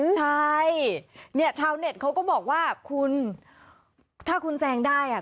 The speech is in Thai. ใช่เนี่ยชาวเน็ตเขาก็บอกว่าคุณถ้าคุณแซงได้อ่ะ